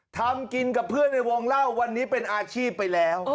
ทำกินกับเพื่อนในวงเล่าวันนี้เป็นอาชีพไปแล้ว